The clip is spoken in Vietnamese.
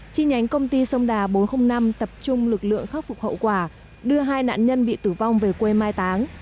chi nhánh công ty sông đà bốn trăm linh năm tập trung lực lượng khắc phục hậu quả đưa hai nạn nhân bị tử vong về quê mai táng